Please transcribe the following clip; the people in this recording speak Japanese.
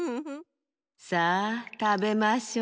さあたべましょう。